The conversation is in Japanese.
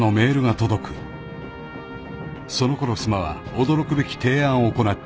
［そのころ須磨は驚くべき提案を行っていた］